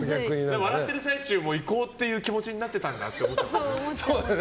でも笑ってる最中も行こうっていう気持ちになってたんだって思っちゃって。